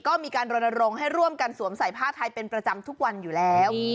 ก็มีการรณรงค์ให้ร่วมกันสวมใส่ผ้าไทยเป็นประจำทุกวันอยู่แล้ว